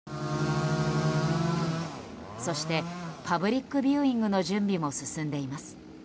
そしてパブリックビューイングの準備も進んでいます。